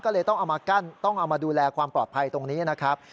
ก็เลยต้องเอามากั้นต้องเอามาดูแลความปลอดภัยตรงนี้นะครับ